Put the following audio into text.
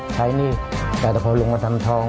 ใช้หนี้แต่พอลุงมาทำทอง